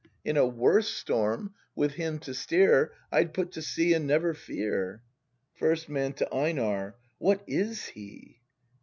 In a worse storm, with him to steer, I'd put to sea and never fear. First Man. [To EiNAR.] What is he